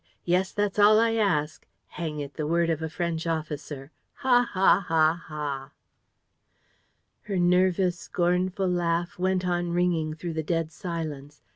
Yes, that's all I ask. Hang it, the word of a French officer! Ha, ha, ha, ha!" Her nervous, scornful laugh went on ringing through the dead silence.